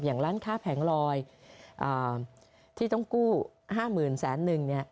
อย่างร้านค้าแผงลอยที่ต้องกู้๕แสนหนึ่ง